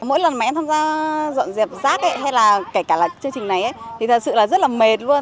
mỗi lần mà em tham gia dọn dẹp rác hay là kể cả là chương trình này thì thật sự là rất là mệt luôn